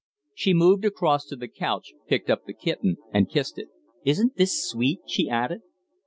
She moved across to the couch, picked up the kitten, and kissed it. "Isn't this sweet?" she added.